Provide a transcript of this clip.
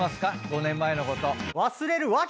５年前のこと。